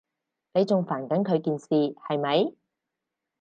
你仲煩緊佢件事，係咪？